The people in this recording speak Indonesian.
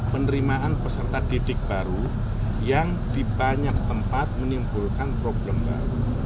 penerimaan peserta didik baru yang di banyak tempat menimbulkan problem baru